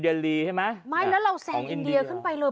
แล้วเราแสงอันดับ๑ขึ้นไปเลย